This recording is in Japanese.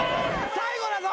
最後だぞ！